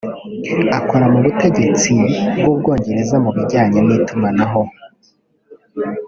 akora mu butegetsi bw’Ubwongereza mu mu bijyanye n’itumanako